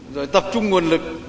rồi tập trung nguồn lực